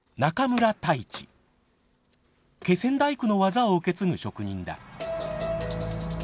気仙大工の技を受け継ぐ職人だ。